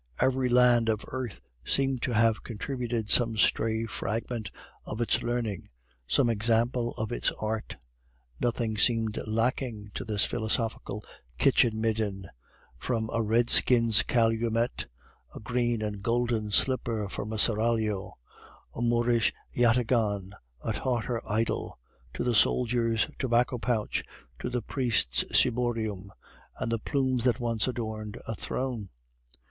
Every land of earth seemed to have contributed some stray fragment of its learning, some example of its art. Nothing seemed lacking to this philosophical kitchen midden, from a redskin's calumet, a green and golden slipper from the seraglio, a Moorish yataghan, a Tartar idol, to the soldier's tobacco pouch, to the priest's ciborium, and the plumes that once adorned a throne.